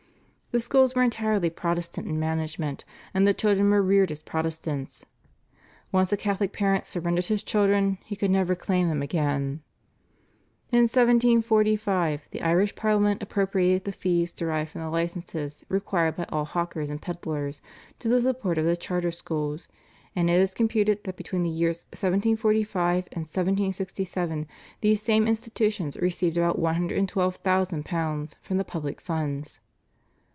The schools were entirely Protestant in management, and the children were reared as Protestants. Once a Catholic parent surrendered his children he could never claim them again. In 1745 the Irish Parliament appropriated the fees derived from the licences required by all hawkers and pedlars to the support of the Charter Schools, and it is computed that between the years 1745 and 1767 these same institutions received about £112,000 from the public funds.